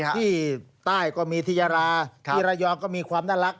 ที่ใต้ก็มีที่ยาราที่ระยองก็มีความน่ารัก